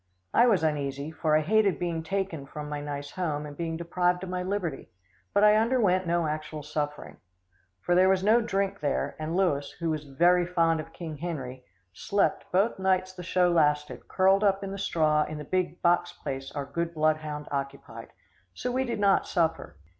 I was uneasy, for I hated being taken from my nice home and being deprived of my liberty, but I underwent no actual suffering. For there was no drink there, and Louis, who was very fond of King Harry, slept both nights the show lasted, curled up in the straw in the big box place our good bloodhound occupied. So we did not suffer.